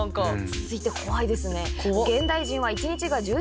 続いて怖いですね。